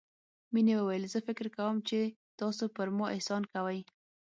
مينې وويل زه فکر کوم چې تاسو پر ما احسان کوئ.